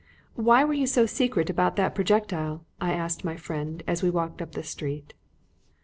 "Why were you so secret about that projectile?" I asked my friend as we walked up the street.